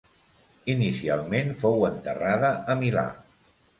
Inicialment fou enterrada a Milà.